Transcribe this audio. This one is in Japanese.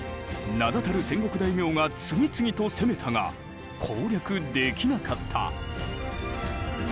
名だたる戦国大名が次々と攻めたが攻略できなかった。